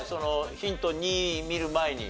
ヒント２見る前に。